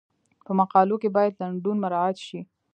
په مقالو کې باید لنډون مراعات شي.